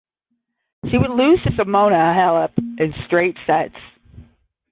She would lose to Simona Halep in straight sets.